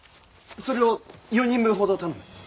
それを４人分ほど頼む。